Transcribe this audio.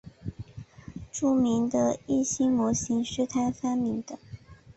著名的易辛模型是他发明的。